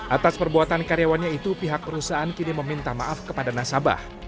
atas perbuatan karyawannya itu pihak perusahaan kini meminta maaf kepada nasabah